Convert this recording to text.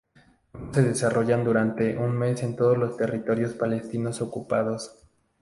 Ambos se desarrollan durante un mes en todos los territorios palestinos ocupados.